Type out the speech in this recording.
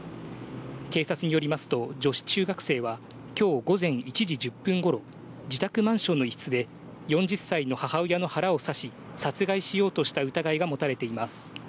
警察によりますと女子中学生は、きょう午前１時１０分ごろ、自宅マンションの一室で４０歳の母親の腹を刺し、殺害しようとした疑いが持たれています。